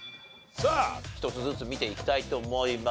さあ１つずつ見ていきたいと思います。